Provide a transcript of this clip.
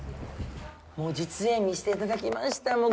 実演、見せていただきました。